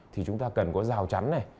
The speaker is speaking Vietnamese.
thì chúng ta cần có rào chắn này